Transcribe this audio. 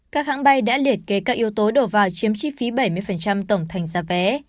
các hãng bay đã liệt kế các yếu tố đầu vào chiếm chi phí bảy mươi tổng thành giá vé